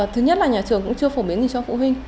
thứ nhất là nhà trường cũng chưa phổ biến gì cho phụ huynh